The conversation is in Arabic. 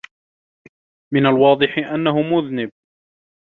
من الواضح أنّه مذنب.